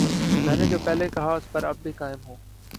میں نے جو پہلے کہا ،اس پر اب بھی قائم ہوں